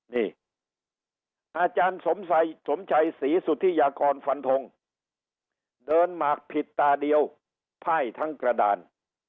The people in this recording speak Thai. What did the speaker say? นี่อาจารย์สมชัยสมชัยศรีสุธิยากรฟันทงเดินหมากผิดตาเดียวไพ่ทั้งกระดาน